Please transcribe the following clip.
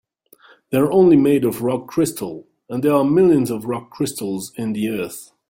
They're only made of rock crystal, and there are millions of rock crystals in the earth.